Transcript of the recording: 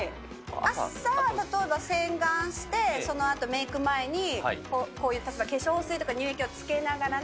朝、例えば洗顔して、そのあと、メーク前に、こういう、例えば化粧水とか乳液とかつけながらね。